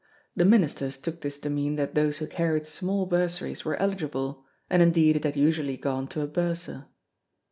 The ministers took this to mean that those who carried small bursaries were eligible, and indeed it had usually gone to a bursar.